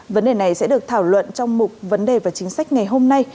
vấn đề này sẽ được thảo luận trong mục vấn đề và chính sách ngày hôm nay